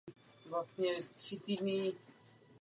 Město vzniklo v prostoru okolo kláštera.